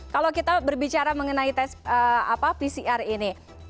kalau kita berbicara mengenai pcr ini